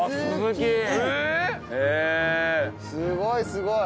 すごい！